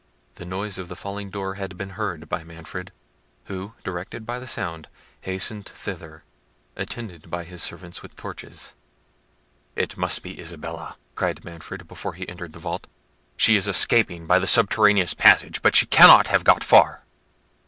The noise of the falling door had been heard by Manfred, who, directed by the sound, hastened thither, attended by his servants with torches. "It must be Isabella," cried Manfred, before he entered the vault. "She is escaping by the subterraneous passage, but she cannot have got far."